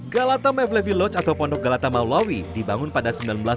galata mevlevi lodge atau pondok galata malawi dibangun pada seribu sembilan ratus empat puluh satu